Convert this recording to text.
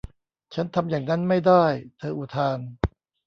ฉันทำอย่างนั้นไม่ได้เธออุทาน